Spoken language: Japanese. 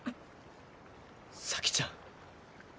咲ちゃん。